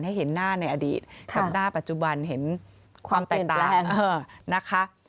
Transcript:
ให้เห็นหน้าในอดีตกับหน้าปัจจุบันเห็นความแตกต่างนะคะ